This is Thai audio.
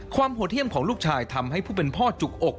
โหดเยี่ยมของลูกชายทำให้ผู้เป็นพ่อจุกอก